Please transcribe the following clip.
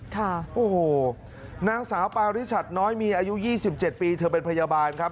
ค่ะโอ้โหนางสาวปาริชัดน้อยมีอายุยี่สิบเจ็ดปีเธอเป็นพยาบาลครับ